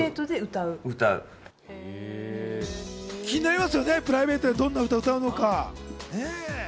気になりますよね、プライベートでどんな歌を歌うのか。